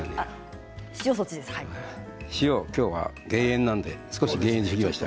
今日は減塩なので少し減塩にしました。